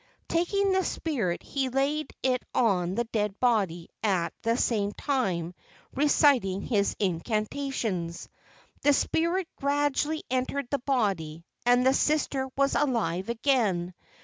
Taking the spirit he laid it on the dead body, at the same time reciting his incantations. The spirit gradually entered the body and the sister was alive again.